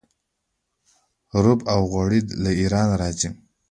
رب او غوړي له ایران راځي.